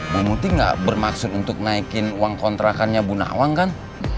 bu muti nggak bermaksud untuk naikin uang kontrakannya bu nakwang kan